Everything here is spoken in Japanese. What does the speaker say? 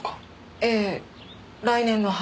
ええ来年の春。